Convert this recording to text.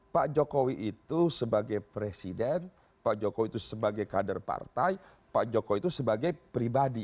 pak jokowi itu sebagai presiden pak jokowi itu sebagai kader partai pak jokowi itu sebagai pribadi